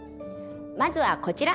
まずはこちら。